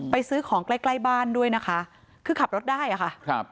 ซื้อของใกล้ใกล้บ้านด้วยนะคะคือขับรถได้อะค่ะครับ